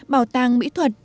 bảo tàng mỹ thuật